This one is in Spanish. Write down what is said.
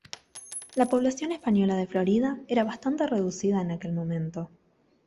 La población española de Florida era bastante reducida en aquel momento.